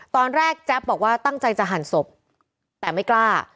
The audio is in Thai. แจ๊บบอกว่าตั้งใจจะหั่นศพแต่ไม่กล้า